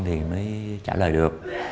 thì mới trả lời được